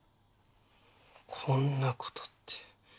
こんなことって。